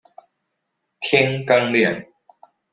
天剛亮